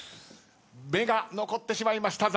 目が残ってしまいました。